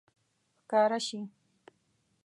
ښکاره شي